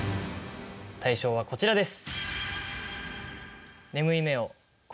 大賞はこちらです。